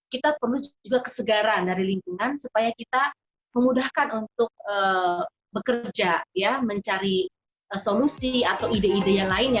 kita perlu juga kesegaran dari lingkungan supaya kita memudahkan untuk bekerja mencari solusi atau ide ide yang lainnya